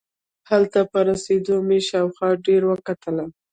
هلته په رسېدو مې شاوخوا ډېر وکتل.